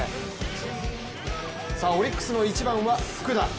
オリックスの１番は福田